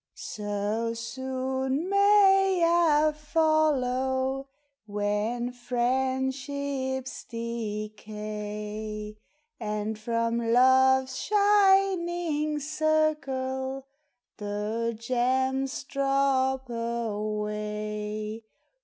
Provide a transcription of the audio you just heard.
So soon may / follow, When friendships decay, And from love's shining circle The gems drop away